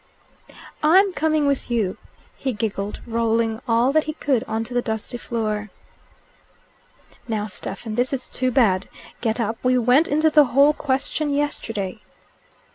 "I'm coming with you," he giggled, rolling all that he could on to the dusty floor. "Now, Stephen, this is too bad. Get up. We went into the whole question yesterday."